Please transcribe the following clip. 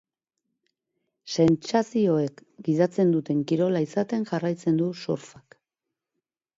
Sentsazioek gidatzen duten kirola izaten jarraitzen du surfak.